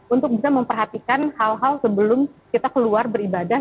untuk bisa memperhatikan hal hal sebelum kita keluar beribadah